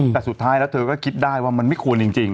แต่สุดท้ายแล้วเธอก็คิดได้ว่ามันไม่ควรจริง